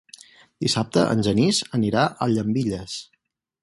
Dissabte en Genís anirà a Llambilles.